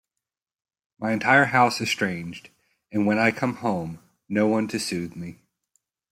My entire house estranged...and when I come home...no one to soothe me.